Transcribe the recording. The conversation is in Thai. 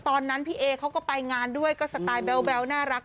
ตอนนั้นพี่เอเขาก็ไปงานด้วยก็สไตล์แบ๊วน่ารัก